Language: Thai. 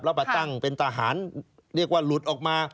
แล้วมาตั้งเป็นทหารเรียกว่าหลุดออกมา